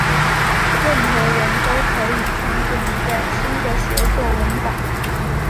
任何人都可以创建一个新的协作文档。